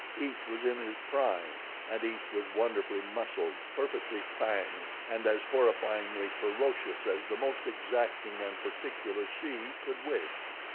Each was in his prime, and each was wonderfully muscled, perfectly fanged and as horrifyingly ferocious as the most exacting and particular she could wish.